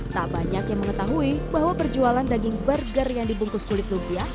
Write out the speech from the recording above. tak banyak yang mengetahui bahwa perjualan daging burger yang dibungkus kulit lumpia